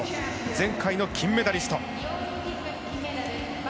前回の金メダリスト。